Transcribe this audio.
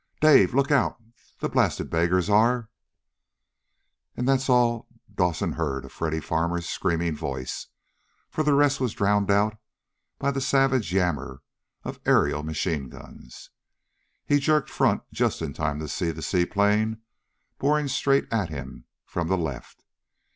"Dave! Look out! The blasted beggars are !" And that's all Dawson heard of Freddy Farmer's screaming voice, for the rest was drowned out by the savage yammer of aerial machine guns. He jerked front just in time to see the seaplane boring straight in at him from the left.